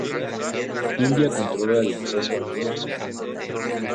India controla el acceso al macizo.